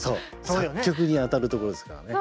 作曲に当たるところですからね。